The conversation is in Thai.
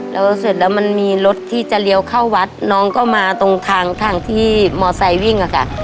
แล้วเสร็จแล้วมันมีรถที่จะเลี้ยวเข้าวัดน้องก็มาตรงทางทางที่มอไซค์วิ่งอะค่ะ